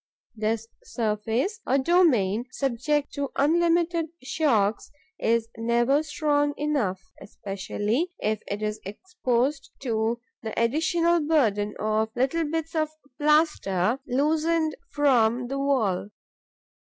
This surface, a domain subject to unlimited shocks, is never strong enough, especially as it is exposed to the additional burden of little bits of plaster loosened from the wall.